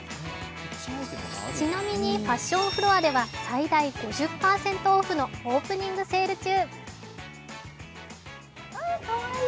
ちなみにファッションフロアでは最大５０％オフのオープニングセール中。